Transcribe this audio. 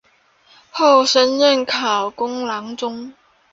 后升任考功郎中。